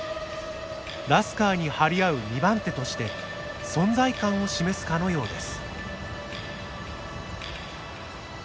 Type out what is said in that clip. ラスカーに張り合う２番手として存在感を示すかのようです。